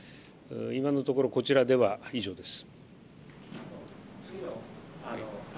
今のところこちらでは以上です。